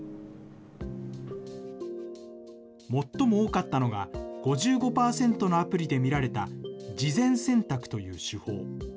最も多かったのが、５５％のアプリで見られた事前選択という手法。